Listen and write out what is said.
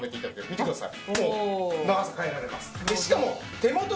見てください！